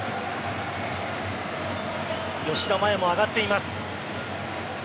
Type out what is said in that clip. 吉田麻也も上がっています。